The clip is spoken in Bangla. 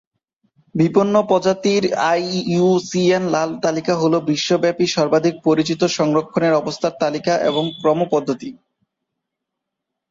বিপন্ন প্রজাতির আইইউসিএন লাল তালিকা হল বিশ্বব্যাপী সর্বাধিক পরিচিত সংরক্ষণের অবস্থার তালিকা এবং ক্রম পদ্ধতি।